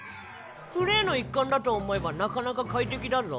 プレイの一環だと思えばなかなか快適だぞ。